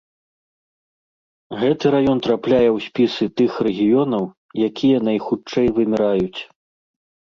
Гэты раён трапляе ў спісы тых рэгіёнаў, якія найхутчэй выміраюць.